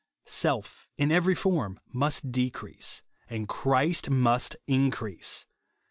Self, in every form, must decrease, and Christ must increase.